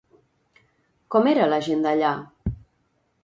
Com era la gent d'allà?